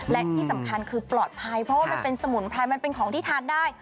และที่สำคัญคือปลอดภัยเพราะว่ามันเป็นสมุนไพรมันเป็นของที่ทานได้